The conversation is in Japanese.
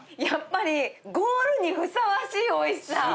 やっぱりゴールにふさわしいおいしさ。